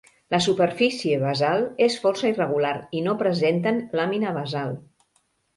La superfície basal és força irregular i no presenten làmina basal.